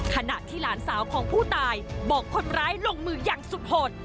ขณะที่หลานสาวของผู้ตายบอกคนร้ายลงมืออย่างสุดหด